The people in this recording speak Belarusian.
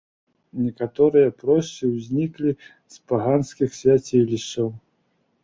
Некаторыя прошчы ўзніклі з паганскіх свяцілішчаў.